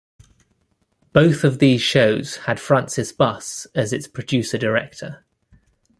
Both of these shows had Frances Buss as its producer-director.